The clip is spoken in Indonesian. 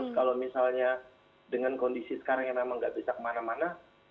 kalau misalnya dengan kondisi sekarang yang memang nggak bisa kemana mana